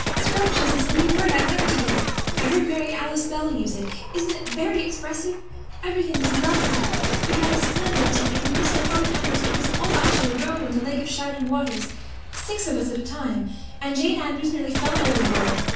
Scrumptious is a new word I learned today. I heard Mary Alice Bell use it. Isn't it very expressive? Everything was lovely. We had a splendid tea and then Mr. Harmon Andrews took us all for a row on the Lake of Shining Waters six of us at a time. And Jane Andrews nearly fell overboard.